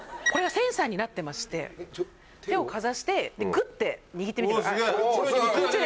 センサーになってまして手をかざして握ってみてください空中で。